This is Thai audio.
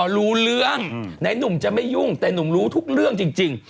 รู้เรื่องไหนหนุ่มจะไม่ยุ่งแต่หนุ่มรู้ทุกเรื่องจริง